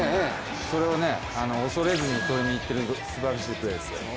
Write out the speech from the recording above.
それを恐れずに取りにいっているすばらしいプレーですよ。